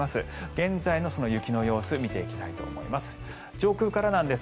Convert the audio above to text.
現在の雪の様子見ていきたいと思います。